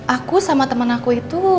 aku sama teman aku itu